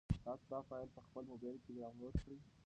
تاسو دا فایل په خپل موبایل کې ډاونلوډ کړئ.